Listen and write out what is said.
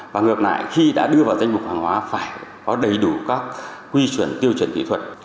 và ngược lại khi đã đưa vào danh mục hàng hóa phải có đầy đủ các quy chuẩn tiêu chuẩn kỹ thuật